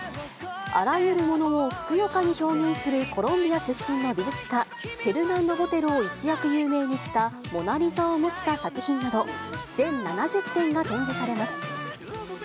あらゆるものをふくよかに表現するコロンビア出身の美術家、フェルナンド・ボテロを一躍有名にしたモナ・リザを模した作品など、全７０点が展示されます。